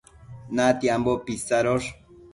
natiambo pisadosh